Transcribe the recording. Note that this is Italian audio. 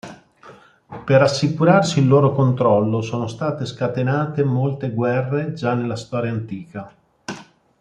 Per assicurarsi il loro controllo sono state scatenate molte guerre già nella Storia antica.